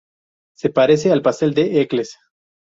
Se parece al pastel de Eccles.